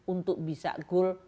untuk bisa goal